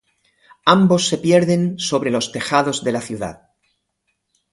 Ambos se pierden sobre los tejados de la ciudad.